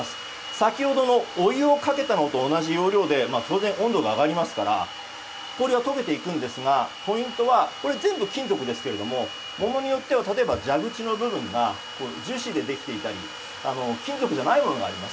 先ほどのお湯をかけたのと同じ要領で当然、温度が上がりますから氷は溶けていくんですがポイントはこれ全部、金属ですがものによっては蛇口の部分が樹脂でできていたり金属じゃないものがあります。